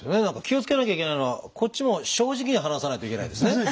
何か気をつけなきゃいけないのはこっちも正直に話さないといけないんですね。